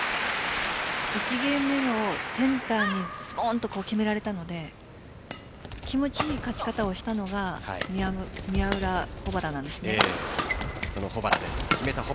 １ゲーム目もセンターに決められたので気持ち良い勝ち方をしたのがその保原です。